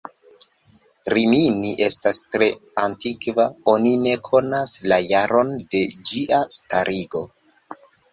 Rimini estas tre antikva, oni ne konas la jaron de ĝia starigo.